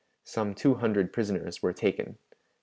Some two hundred prisoners were taken."